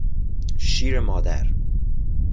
شیر مادر